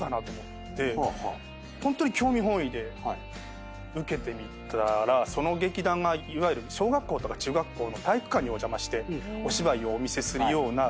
ホントに興味本位で受けてみたらその劇団がいわゆる小学校とか中学校の体育館にお邪魔してお芝居をお見せするような劇団で。